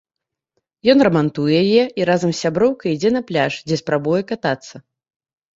Ён рамантуе яе і разам з сяброўкай ідзе на пляж, дзе спрабуе катацца.